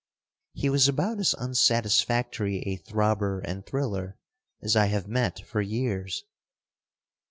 He was about as unsatisfactory a throbber and thriller as I have met for years.